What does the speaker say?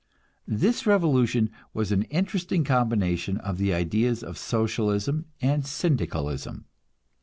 This revolution was an interesting combination of the ideas of Socialism and Syndicalism.